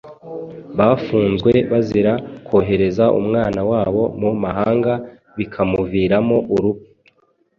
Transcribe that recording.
Bafunzwe bazira kohereza umwana wabo mu mahanga bikamuviramo urupf